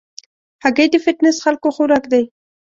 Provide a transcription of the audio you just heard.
هګۍ د فټنس خلکو خوراک دی.